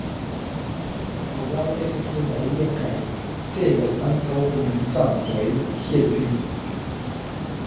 La programo estas tre varia kaj celas ankaŭ komencantojn kiel vi.